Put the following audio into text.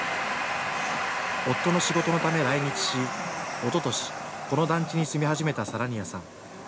夫の仕事のため来日しおととし、この団地に住み始めたサラニヤさん。